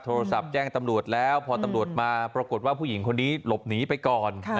โทรศัพท์แจ้งตำรวจแล้วพอตำรวจมาปรากฏว่าผู้หญิงคนนี้หลบหนีไปก่อน